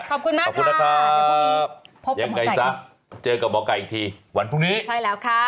ขอบคุณมากค่ะขอบคุณนะครับยังไงจ๊ะเจอกับมไก่อีกทีวันพรุ่งนี้